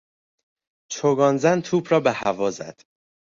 چوگانزن توپ را به هوا زد.